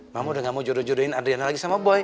mama udah gak mau jodoh jodohin adriana lagi sama boy